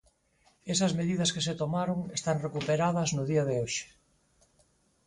Esas medidas que se tomaron están recuperadas no día de hoxe.